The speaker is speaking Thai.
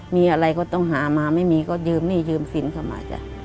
มีอะไรก็ต้องหามาไม่มีก็ยืมหนี้ยืมสินเข้ามาจ้ะ